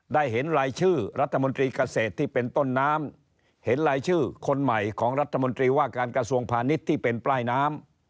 เห็นรายชื่อรัฐมนตรีเกษตรที่เป็นต้นน้ำเห็นรายชื่อคนใหม่ของรัฐมนตรีว่าการกระทรวงพาณิชย์ที่เป็นป้ายน้ำ